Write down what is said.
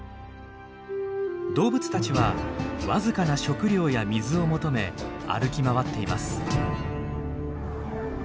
動物たちはわずかな食料や水を求め歩き回っています。